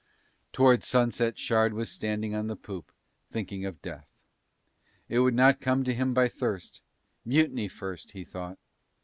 Towards sunset Shard was standing on the poop, thinking of death; it would not come to him by thirst; mutiny first, he thought.